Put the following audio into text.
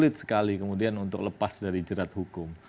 sulit sekali kemudian untuk lepas dari jerat hukum